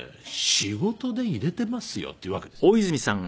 仕事で入れてますよ」って言うわけですよ。